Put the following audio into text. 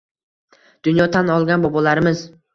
Dunyo tan olgan bobolarimiz